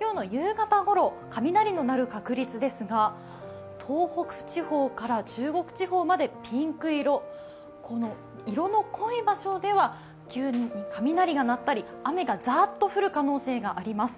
今日の夕方ごろ、雷の鳴る確率ですが東北地方から中国地方までピンク色、この色の濃い場所では急に雷が鳴ったり、雨がザーッと降る可能性があります。